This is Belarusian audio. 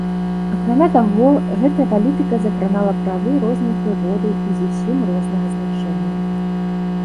Акрамя таго, гэтая палітыка закранала правы рознай прыроды і зусім рознага значэння.